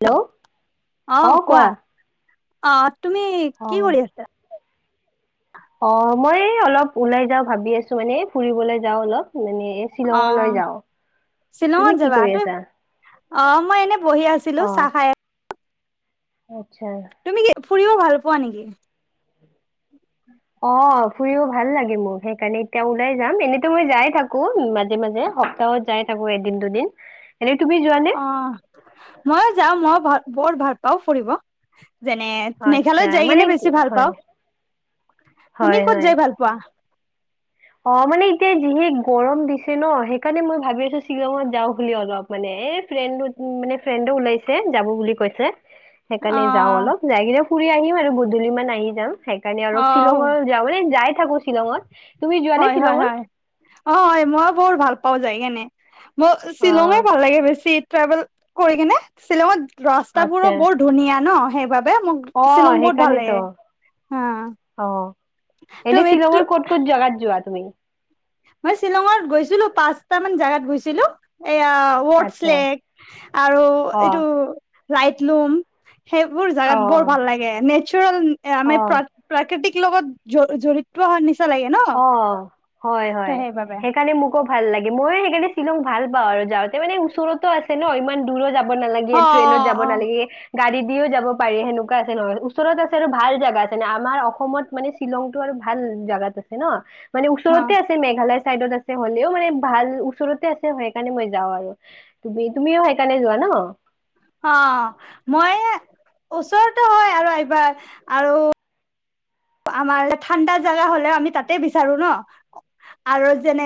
Hello, অ', কোৱা। [unintelligible] তুমি, অ কি কৰি আছা? অ', মই এই অলপ ওলাই যাওঁ ভাবি আছোঁ মানে, এ ফুৰিবলে যাওঁ অলপ। মানে শ্বিলঙলৈ অ', যাওঁ তুমি শ্বিলঙত কি যাবা কৰি তই? আছা অ', মই এনে বহি আছিলোঁ, অ চাহ খাই [unintelligible] তুমি কি [unintelligible] ফুৰিও ভালপোৱা নেকি? অ', ফুৰিও ভাল লাগে মোৰ সেইকাৰণে এতিয়া ওলাই যাম। এনেতো মই যাই থাকোঁ মাজে মাজে, সপ্তাহত যাই থাকোঁ এদিন দুদিন। এনে তুমি যোৱা নে অ', ময়ো যাওঁ। মই [unintelligible] বৰ ভাল পাওঁ ফুৰিব। যেনে, আচ্ছা মেঘালয়ত যাই মানে কেনে বেছি ভাল হয় পাওঁ। তুমি ক'ত যাই ভালপোৱা? অঁ মানে এতিয়া যিহে গৰম দিছে ন সেইকাৰণে মই ভাবি আছো শ্বিলঙত যাওঁ বুলি অলপ মানে এ ফ্ৰেণ্ড মানে ফ্ৰেণ্ডো ওলাইছে যাব বুলি কৈছে অ সেইকাৰণে যাওঁ অলপ যাইগ ফু ফুৰি আহিম আৰু গুধূলি মান আহি যাম। সেইকাৰনে আৰু অ শ্বিলংৰো যাবনে যায়। থাকো শ্বিলঙত। তুমি যোৱা নে হয় হয় শ্বিলঙত হয় অঁ মই বহুত ভাল পাঁও পোৱা যায় কেনে মই অ শ্বিলঙে ভাল লাগে বেছিত ট্ৰেভেল কৰি কিনে শ্বিলঙত ৰাস্তা বোৰো বৰ ধুনীয়া ন হয় বাবা অঁ সেইকাৰণেতো হা অঁ এনে তুমি শ্বিলঙৰ ক'ত ক'ত জাগাত যোৱা আছে তুমি? মই শ্বিলঙত গৈছিলো পাঁচট মান জাগাত গৈছিলো। এয়া আচ্ছা ৱৰ্ডছলেক আৰু অ এইটো। লাইটলুম। সেইবোৰ অ জাগাত বৰ ভাল লাগে নেচাৰেল এহ ', অ আমি অ প্ৰাকৃতিক লগত জড়িত নিচিনা। নিচিনা লাগে নহ অ হয় - হয় সেইকাৰণে মোক ভাল লাগে ময়ো সেইকাৰে শ্বিলং ভাল পাওঁ আৰু যাওঁতে মানে ওচৰতো আছে ন ইমান দূৰো যাব নালে অ ট্ৰেইনত যাব অ অ নালাগে। গাড়ী দিওঁ যাব পাৰি সেনেকুৱা আছে নহয় ওচৰত আছে আৰু ভাল জাগা আছে নে আমাৰ অসমত মানে শ্বিলংতটো আৰু ভাল জাগাটো। ন -ন মানে অ ওচৰতে আছে মেঘালয়। চাইদত আছে হলেওঁ মানে ভাল ওচৰতে আছে সেইকাৰণে মই যাওঁ আৰু তুমিও সেইকাৰণে যোৱা ন। অহ ', মই ওচৰতো হয় আৰু এইবাৰ আৰু আমাৰ ঠাণ্ডা জাগা হলেওঁ আমি তাতে বিচাৰো ন আৰু যেনে।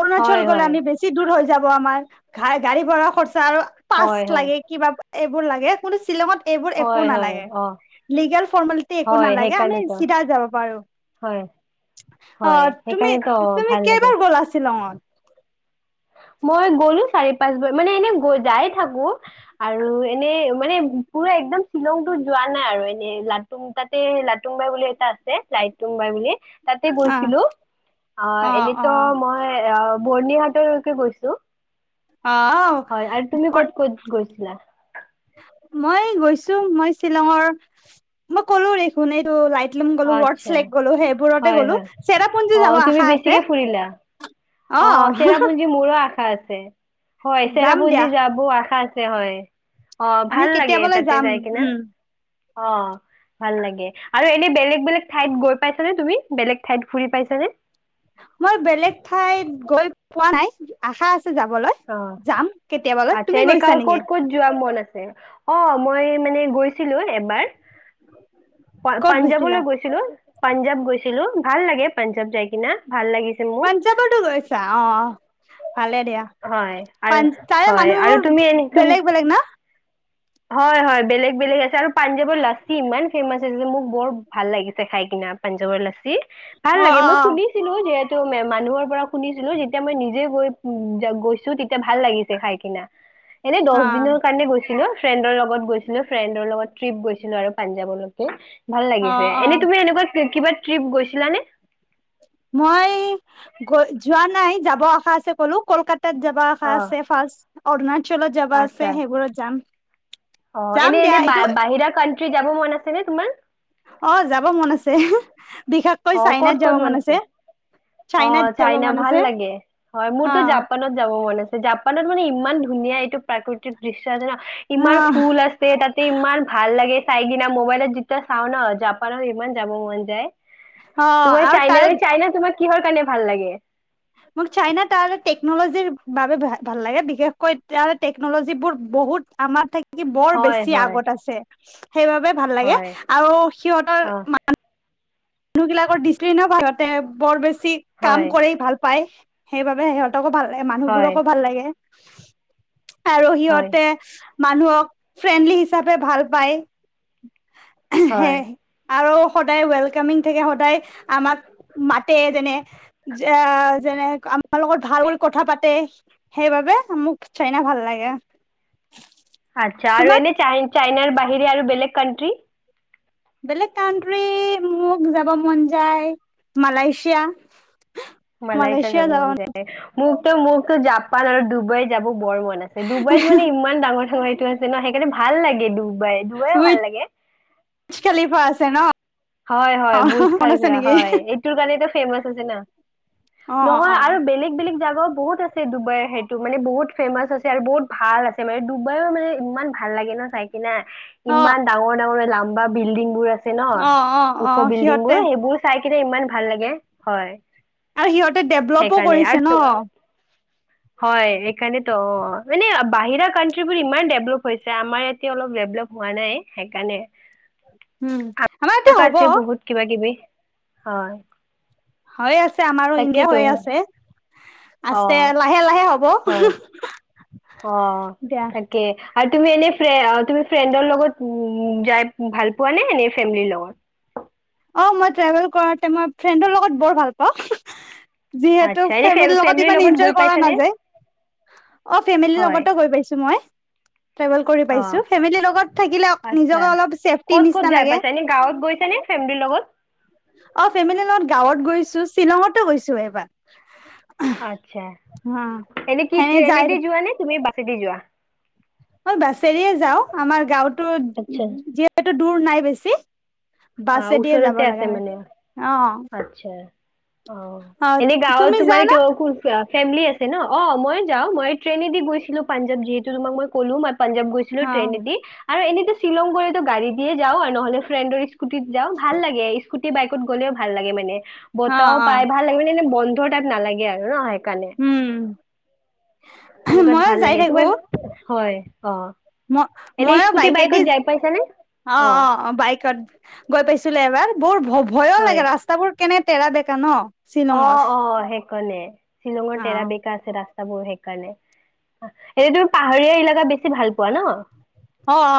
অৰুণাচল হয় গ'লে হয় আমি বেছি দূৰ হৈ যাব আমাৰ ঘা গাড়ী ভাড়া খৰচ আৰু হয় পাটচ্ হয় লাগে কিবা এইবোৰ লাগে কোনো শ্বিলঙত। এইবোৰ একো হয় হয় নালাগে অ লিগেল ফৰ্মেলিটি একো হয় নালাগে আমি। সেইকাৰণেতো চিধা যাব পাৰো হয় অহ হয় ', তুমি সেইকাৰণেতো - তুমি ভাল লাগে কেইবাৰ গ'লা শ্বিলঙত? মই গ'লো চাৰি পাঁচ বজ মানে এনে যাই থাকো আৰু এনে মানে পুৰা একদম শ্বিলংতটো যোৱা নাই আৰু এনে লাটুম তাতে লাটুম বাই বুলি এটা আছে লুং বাই বুলি। তাতে অ গৈছিলো অহ অ ', অ এনেতো মই অহ ', বৰ্নিহটোৰ গৈছো। অ হয়, আৰু তুমি ক'ত - ক'ত গৈছিলা? মই গৈছো মই শ্বিলঙৰ মই ক'লো দেখোন এইটো লাইট। লুং গ'লো ওৱত আচ্ছা চেলেক গলো সেইবোৰতে হয় গ'লো হয় অ চেৰাপুঞ্জী যাব তুমি আশা বেছিকে আছে। ফুৰিলা অহ ', তে হয় চেৰাপুঞ্জী যাব আশা হয়। অ আমি কেতিয়াবলৈ যাম উম',। অহ ', ভাল লাগে আৰু এতিয়া বেলেগ - বেলেগ ঠাইত গৈ পাইছানে তুমি বেলেগ ঠাইত ফুৰি পাইছানে? মই বেলেগ ঠাইত গৈ পোৱা নাই আশা আছে যাবলৈ অ যাম কেতিয়াবালৈ আচ্ছা তুমি এনে কাৰ গৈছা ক'ত নেকি ক'ত যোৱা মন অ মই মানে গৈছিলো এবাৰ প ক'ত গৈছিলা পাঞ্জাৱলৈ গৈছিলো পাঞ্জাৱ গৈছিলো ভাল লাগে পাঞ্জাৱ যাই কিনা ভাল লাগিছে মোক পাঞ্জাৱতো গৈছা অ ভালে দিয়া হয় আৰু প তাৰে হয় আৰু মানুহবোৰ তুমি এনে তুমি বেলেগ বেলেগ না হয় হয় বেলেগ বেলেগ আছে আৰু পাঞ্জাৱ লাছি ইমান ফেমাচ আছে যে মোক বৰ ভাল লাগিছে খাই কিনা পাঞ্জাৱৰ লাচি ভাল অ লাগে অ মই অ শুনিছিলো যিহেতু মানুহৰ পৰা শুনিছিলো যেতিয়া মই নিজে গৈ উ গৈছো তেতিয়া ভাল লাগিছে খাই কিনা এনে দহ অ দিনৰ কাৰণে গৈছ কি ন ফ্ৰেণ্ডৰ লগত গৈছিলো ফ্ৰেণ্ডৰ লগত ট্ৰিপ গৈছিলো আৰু পাঞ্জাৱলৈকে ভাল অ লাগিছে অ এনেই তুমি এনেকুৱা কিবা ট্ৰিপ গৈছিলানে মই গৈ যোৱা নাই যাব আশা আছে কলো কলকাতা তাত যাবা অ খাছে ফাছ অৰুণা অঞ্চলত যাবা আছে আচ্ছা সেইবোৰত যাম অ যাম এনে দিয়া -এনে এইটো কান্টৰী যাব মন আছে নে তোমাৰ? অ যাব মন আছে। বিশেষকৈ অ ক'ত চাইনাত যাব -ক'ত মন আছে মানছে অ চাইনাত যাব চাইনা মন ভাল আছে লাগে হয় মোৰতো অ', জাপানত যাব মন আছে। জাপানত মানে ইমান ধুনীয়া এইটো প্ৰাকৃতিক দৃষ্টি চিজেনত ইমান অ', ফুল আছে তাতে ইমান ভাল লাগে চাইগিনা মোবাইলতিত চাও ন জাপানত ইমান যাব মন যায়। অ', তোমাৰ আৰু চাইনা তাৰে মে চাইনা তোমাক কিহৰ কাৰণে ভাল লাগে? মোক চাইনা তাৰ টেকনলজিৰ বাবে ভাল লাগে বিশেষকৈ টেকনলজিৰ বহুত আমাৰ কি বৰ হয় বেছি হয় আগত আছে। সেইবাবে ভাল লাগে হয় আৰু সিহঁতৰ অ মান মানুহবিলাকৰ দৃষ্টি ন বাহতে বৰ বেছি। সি কাম হয় কৰে ভাল পায়। সেইবাবে সে কো ভালাগে হয় মানুহবোৰকো ভাল লাগে। আৰু হয় সিহঁতে মানুহক ফ্ৰেণ্ডলি হিচাপে ভাল পায়। সে হয় আৰু সদায় থাকে সদায় আমাক মাতে যেনে- যেনে আমাৰ লগত ভাল কৰি কথা পাতে সেইবাবে মোক চাইনা ভাল লাগে। আচ্ছা আৰু তোমাক এনোই চাইনাৰ বাহিৰে আৰু বেলেগ কণ্টি বেলেগ কাণ্ট্ৰি মোক যাব মন যায় মালয়েছিয়া মালয়েছীয়া যাব মন যায়। মোক তো মোকো জাপান আৰু ডুবাই যাব বৰ মন আছে ডুবাইত মানে ইমান ডাঙৰ- ডাঙৰ আছে ন সেইকাৰণে ভাল লাগে তো বাই যায়। ডুবাইও ভাল লাগে। জন ন [inaudible] হয় -হয় অ বুজ মনত খাই আছে নেকি হয় এইটো কাৰণে ফেমাচ আছে ন অ অ নহয় অ আৰু বেলেগ বেলেগ জগাও বহুত আছে। ডুবাইৰ সেইটো মানে বহুত ফেমাচ আছে আৰু বহুত ভাল আছে মানে ডুবাইও মানে ইমান ভাল লাগে ন চাইেল কি ন অ ইমান ডাঙৰ -ডাঙৰ লাম্বা বিল্ডিং বোৰ আছে ন অ অ অ ওখ সিহঁতে বিল্ডবোৰ সেইবোৰ চাগে চাই কিনে ইমান ভাল লাগে হয়। আৰু সিহঁতে ডেভলপো সেইকাৰণে আৰু কৰিছে ন। হয় সেইকাৰণেতো অ মানে বাহিৰা কানণ্ট্ৰ্ৰীিবোৰ ইমান ডেভলপ হৈছে আমাৰ ইয়াতে অলপ ডেভলপ হোৱা নাই সেইকাৰণে। উম আমাৰ এতিয়া আমাৰো হ'ব আছে বহুত কিবা দিবি হয়। হৈ আছে আমাৰো ইণ্ডিয়া তাকেইতো হৈ আছে। অ আছে লাহে -লাহে হ'ব। হয় অ দিয়া তাকে আৰু তুমি এনে ফ তুমি ফ্ৰেণ্ডৰ লগত উ যাই ভাল পোৱা নে এনে ফেমিলিৰ লগত? অ মই ট্ৰেভেল কৰতে মই ফ্ৰেণ্ডৰ লগত বৰ ভাল পাওঁ। যিহেতু আচ্ছা এনে ফে ফেমেলী লগত ফেমিলিৰ ইমান এনজয় গৈ কৰা পাইছানে নাযায় অ ফেমিলীৰ হয় লগতো গৈ পাইছো মই ট্ৰেভেল কৰি অ পাইছো ফেমেলীৰ লগত থাকিলে আচ্ছা নিজকে অলপ চেফটিৰ ক'ত ক'ত নিচিনা যাই লাগে। পাইছা এনে গাঁৱত গৈছানে ফেমিলিৰ লগত অ ফেমিলিৰ লগত গাঁৱত গৈছো শ্বিলঙত গৈছো এইবাৰ। আচ্ছা এনে কি সেনে যাই এনেদি যোৱা নে তুমি চিডি যোৱা মই বাছেৰে যাও আমাৰ গাঁওতো যিহেত টো দূৰ নাই বেছি আহ বাছেদিয়ে যাব ওচৰতে আছে লগা হয় মানে অ আচ্ছা অ অ এনে গাঁৱত তুমি তোমাৰ যানা ক ফেমিলি আ ন অ মই যা মই ্ৰনেদি গৈছিলো পাঞ্জাব যিহেতুমাক মই ক'লো ম পাঞ্জাৱ গৈছিলো অ ট্ৰেইন এদি আৰু এনেতো শ্বিলং গলেতো গাড়ী দিয়ে যাও আৰু নহলে ফ্ৰেণ্ডৰ স্ুটিত যাওঁ ভাল লাগে স্ুটি বাইকত গলেওালাগে মানে অ বঁতাহও অ পায় ভাল লাগে মানে এ বন্ধু তাত নালাগে আৰু ন সেইকাৰণে উম সেনেকুৱাত মই ভাল যাই লাগে থাকো তোমাক হয়। অ ম এনে মইো স্কুটি বাইকে বাইকত দি যাই পাইছানে অ অ অ বাইকত গৈ পাইছিলো এবাৰ বৰ ভ ভয়ো হয় লাগে ৰাস্তাবোৰ কেনে তেৰা ডেকা ন? চিলংত। কোনে? শ্বিলঙৰ টেৰা বেকা আছে ৰাস্তা সেইকাৰণে এতিয়া তুমি পাহাৰীয়া এলেকা বেছি ভাল পোৱা ন? অ অ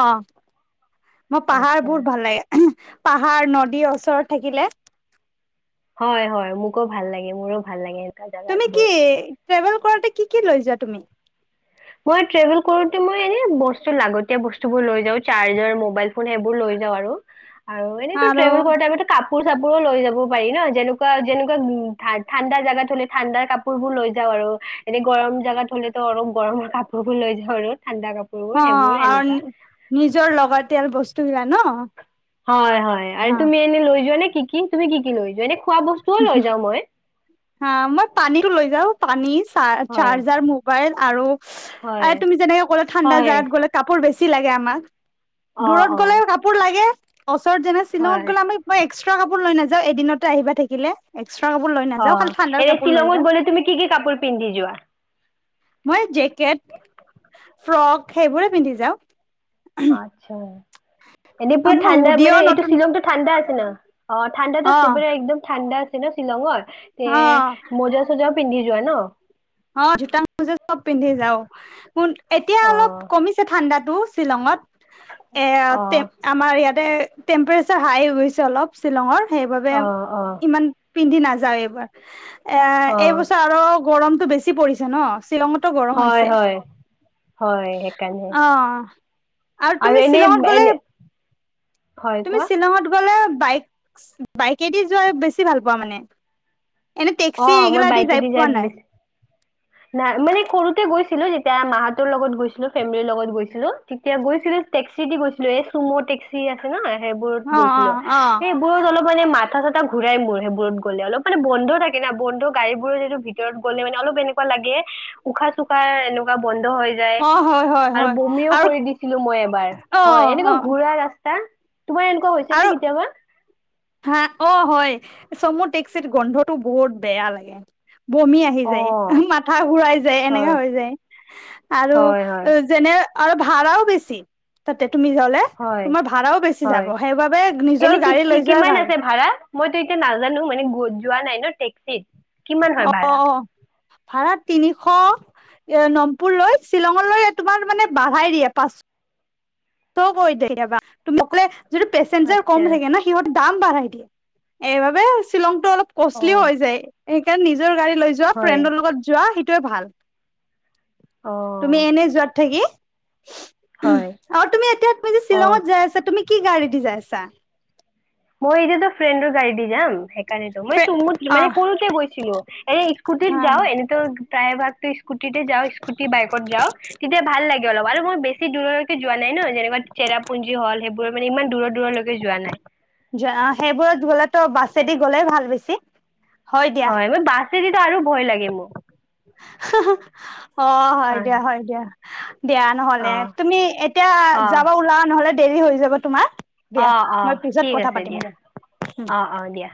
মই পাহাৰ আচ্ছা। বোৰ ভাল লাগে। পাহাৰ নদী ওচৰত থাকিলে হয় - হয় মোকো ভাল লাগে মোৰো ভাল লাগে। এনেকুৱা তুমি কি জাগাবোৰ। ট্ৰেভেল কৰাতে কি কি লৈ যা তুমি মই ট্ৰেভেল কৰো মই এনে বস্তু লাগতি বস্তুব লৈ যা চাৰ্জাৰ মবাইল ফোন সেইবোৰ লৈ যাওঁ। আৰু আৰু আৰু এনেইটো্ৰভেল কৰেতে কাপোৰ চাপোৰো লৈ যাব পাৰি ন যেনেকুৱা যেনেকুৱা উ ঠাণ্ডা জাগাত হলে ঠাণ্ডা কাপোৰ বোৰ লৈ যাওঁ আৰু এতিয়া গৰম জাগাত হ'লেতো অলপ গৰম লৈ ধৰে ৰ'দ অ আৰু নিজৰ লাগতিয়াল বস্তু- বস্ত ন হয় হয় আৰু হা তুমি এনে লৈ যোৱা নে কি কি তুমি কি কি লৈ যোৱা এনে খোৱা বস্তুও লৈ যাওঁ মই হা মই পানীটো লৈ যওঁ পানী হয় চাৰজাৰ মোবাইল আৰু আ হয় তুমি যেনেকে ক'লে ঠাণ্ডা হয় জাগাত গ'লে কাপোৰ বেছি। বেছি লাগে আমাক অ দূৰত অ গ'লে কাপোৰ লাগে। ওচৰত যেনে শ্বিলঙত হয় গ'লে আমি এক্স কাপোৰ লৈ নাযাওঁ এদিনতে আহিবা থাকিব কিলে অ এনে শ্বিলঙত গলে তুমি কি কি কাপোৰ পিন্ধি যোৱা? মই জেকেট, ফ্ৰক সেইবোৰে পিন্ধি যাওঁ। আত্ছা এনেই পুৰা মোৰ ঠাণ্ডা হুডিও মানে এইটো নতুন শ্বিলংতটো ঠাণ্ডা আছে। ন [unintelligible] অঁ ঠাণ্ডাটো অ শিবৰে একদম ঠাণ্ডা ন শ্বিলঙৰ অ তে মোজা চোজা পিন্ধি যোৱা ন অঁ জোতা মোজা চব পিন্ধি যাওঁ এতিয়া অ অলপ কমিছে ঠাণ্ডাটো। শ্বিলঙত এ অ তে আমাৰ ইয়াত তে টেম্পাচাৰ হাই হৈছে অলপ শ্বিলঙৰ সেইবাবে অ অ ইমান পিন্ধি নাযাও এইবাৰ এ অ এইবছৰ আৰু গৰম কি পৰিছে ন। শ্বিলঙতো গৰম হয় হৈছে হয় হয় সেইকাৰণে অ আৰু তুমি এনে শ্বিলঙত গলে। এনে হয় তুমি কোৱা শ্বিলঙত গ'লে। বাইক বাইকেদি যোৱা বেছি ভাল পোৱা মানে। এনে টেক্সি অঁ মই এইগিলা দি বাইকেদি যাই পোৱা নাই বেছি নাই মানে সৰুতে গৈছো। ছিলো যেতিয়া মাহতৰ লগত গৈছিলো ফেমিলিৰ লগত গৈছিলো তেতিয়া গৈছিলো টেক্সি দি গৈছিলো এ চুম' টেক্সি আছে ন সেইবোৰত অ অ গৈছিলো অ সেইবোৰত অলপ মানে মাত মাথা চাথা ঘূৰাই মোৰ সেইবোৰত গ'লে অলপ মান বন্ধ থাকে কিনা বন্ধু গাড়ী বোৰৰে যিটো ভিতৰত গ'লে মানে অলপ এনেকুৱা লাগে উশাহ চুখা এনেকুৱা বন্ধু হৈ যায় অ হয় হয় আৰু হয় বমিও আৰু কৰি দিছিলো মই এবাৰ অ হয় এনেকুৱা অ ঘূৰাৰা ৰাস্তা তোমাৰ এনেকুৱা হৈছে নে আৰু কেতিয়াবা হা অঁ হয় চমু টেক্সিৰ গোন্ধটো বহুত বেয়া লাগে। বমি আহি অ যায় মাথা ঘুৰাই যায় এনেকা হয় হৈ যায় আৰু হয় হয় যেনে আৰু ভাড়াও বেছি তাতে তুমি গ'লে হয় তুমাৰ ভাড়াও গোছি যাব। হয় এনে কি কি যোৱাই কিমান ভাল আছে ভাড়া মইতো এতিয়া নাজানো মানে? যোৱা নাই ন টেক্সিত কিমান হয় অঁ ভাড়া অঁ ভাড়া তিনিশ। এ নমপুৰ লৈ শ্বিলঙলৈ তোমাৰ মানে বাধাই দিয়ে পাছ। তৌকৰি দে কেতিয়াবা। যিটো পেচে্জাৰ কম আচ্ছা থাকে ন সিহঁত। দাম বাঢ়াই দিয়ে, এইবাবে শ্বিলং টো অলপ অ কষ্টলিও হৈ যায়। সেইকাৰনে নিজে। নিজৰ গাড়ী লৈ যোৱা, হয় ফ্ৰেণ্ডৰ লগত যোৱা। টোৱে ভাল। অ তুমি এনে যোৱাত থাকি। হয়। আৰু তুমি এতিয়া, তুমি যে অ শ্বিলঙত যাই আছা! তুমি কি গাড়ী দি যাইছা? মই এতিয়াতো ফ্ৰেণ্ডৰ গাড়ী দি যাম। সেইকাৰণেতো মই চুমুত, মানে সৰুতে গৈছিলো। এনে স্কুটিত যাও, এনেতো প্ৰায়ভাগতো স্কুটিতেই যাওঁ, স্কুটি-বাইকত যাওঁ। তেতিয়া ভাল লাগে অলপ আৰু মই বেছি দূৰলৈকে যোৱা নাই ন, যেনিবা চেৰাপুঞ্জী হ'ল সেইবোৰ মানে ইমান দূৰত-দূৰলৈকে যোৱা নাই সেইবোৰত গ'লেতো বাছ বাছেদি গ'লে ভাল বেছি। হয়, মই বাছেদিতো আৰু ভয় লাগে মোৰ। অ হাহা। অ' হয় দিয়া, হয় দিয়া। দিয়া অ নহ'লে। তুমি এতিয়া অ যাব ওলাৱা নহ'লে দেৰি হৈ যাব তোমাৰ। দিয়া অ', মই অ' পিছত ঠিক কথা আছে পাতিম দিয়া। অ', অ' দিয়া।